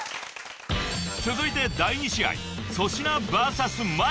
［続いて第２試合］